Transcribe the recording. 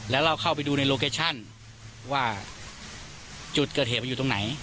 แล้วเราเข้าไปดูในโลเคชั่นว่าจุดเกิดเหตุมันอยู่ตรงไหน